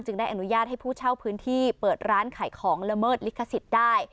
ได้อนุญาตให้ผู้เช่าพื้นที่เปิดร้านขายของละเมิดลิขสิทธิ์ได้